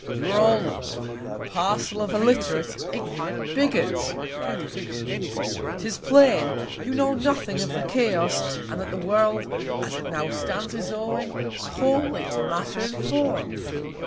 _ You are all of you a Parcel of illiterate, ignorant Bigots, cry'd a Grecian: 'Tis plain, you know nothing of the Chaos, and that the World, as it now stands, is owing wholly to Matter and Form.